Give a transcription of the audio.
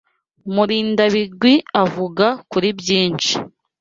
Murindabigwi avuga kuri byinshi.